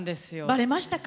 バレましたか？